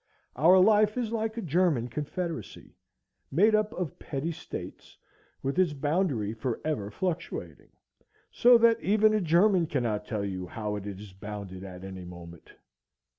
Our life is like a German Confederacy, made up of petty states, with its boundary forever fluctuating, so that even a German cannot tell you how it is bounded at any moment.